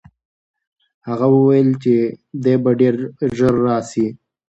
هغه وویل چې دی به ډېر ژر راسي.